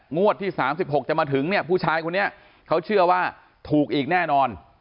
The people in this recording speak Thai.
งวดที่๓๖จะมาถึงเนี่ยผู้ชายคนนี้เขาเชื่อว่าถูกอีกแน่นอน